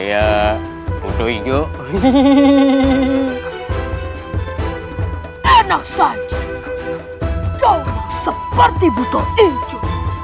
kau yang seperti buta hijau